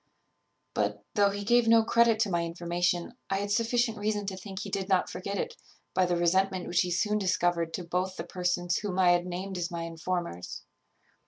"But, though he gave no credit to my information, I had sufficient reason to think he did not forget it, by the resentment which he soon discovered to both the persons whom I had named as my informers.